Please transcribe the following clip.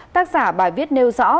tác giả bài viết nêu rõ